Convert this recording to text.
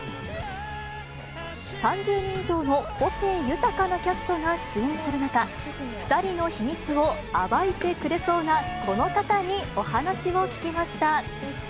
３０人以上の個性豊かなキャストが出演する中、２人の秘密を暴いてくれそうなこの方にお話を聞きました。